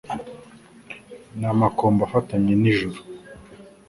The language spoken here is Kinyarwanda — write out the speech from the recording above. N' amakombe afatanye n' ijuru